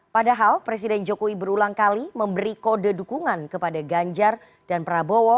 padahal presiden jokowi berulang kali memberi kode dukungan kepada ganjar dan prabowo